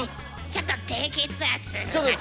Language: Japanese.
ちょっと低血圧。